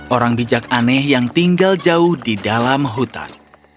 orang bijak aneh yang tinggal jauh di dalam hutan